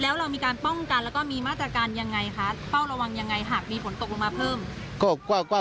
แล้วเรามีการป้องกันแล้วก็มีมาตรการยังไงคะ